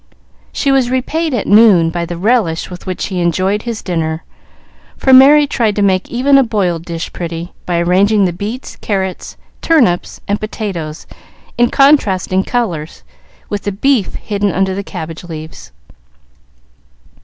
She was repaid at noon by the relish with which he enjoyed his dinner, for Merry tried to make even a boiled dish pretty by arranging the beets, carrots, turnips, and potatoes in contrasting colors, with the beef hidden under the cabbage leaves.